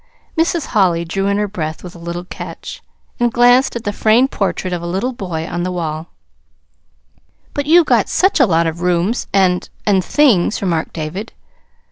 Mrs. Holly drew in her breath with a little catch, and glanced at the framed portrait of a little boy on the wall. "But you've got such a lot of rooms and and things," remarked David.